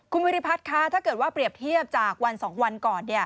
คุณวิริพัฒน์คะถ้าเกิดว่าเปรียบเทียบจากวัน๒วันก่อน